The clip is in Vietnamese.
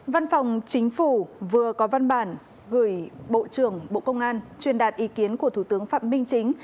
văn phòng chính phủ vừa có văn bản gửi bộ trưởng bộ công an truyền đạt ý kiến của thủ tướng phạm minh chính